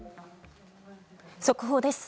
速報です。